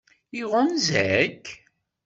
Iɣunza-k?